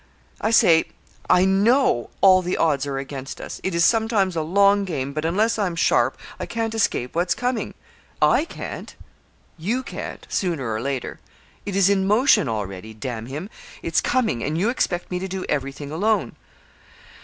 I say I know all the odds are against us. It is sometimes a long game; but unless I'm sharp, I can't escape what's coming. I can't you can't sooner or later. It is in motion already d him it's coming, and you expect me to do everything alone.'